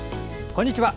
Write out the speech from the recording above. こんにちは。